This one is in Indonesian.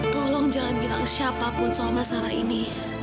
tolong jangan bilang siapapun soal masalah ini